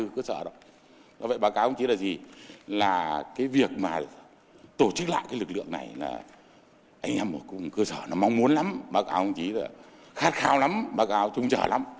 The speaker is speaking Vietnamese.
cơ sở nó mong muốn lắm bắc cạn không chỉ là khát khao lắm bắc cạn trung trở lắm